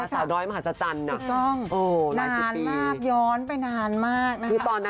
แต่ว่าต้องดูก่อนว่ามันคุ้มกับเวลาที่เราจะเสียหรือเปล่า